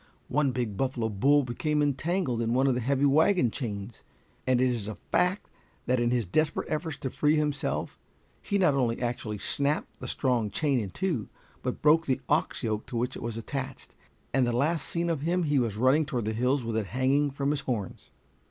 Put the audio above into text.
One big buffalo bull became entangled in one of the heavy wagon chains, and it is a fact that in his desperate efforts to free himself he not only actually snapped the strong chain in two, but broke the ox yoke to which it was attached, and the last seen of him he was running toward the hills with it hanging from his horns.